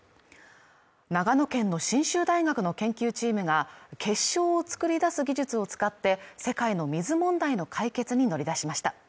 長野県の信州大学の研究チームが結晶を作り出す技術を使って世界の水問題の解決に乗り出しました。